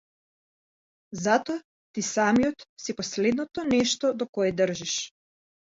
Затоа ти самиот си последното нешто до кое држиш.